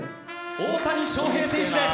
大谷翔平選手です！